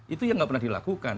itu yang nggak pernah dilakukan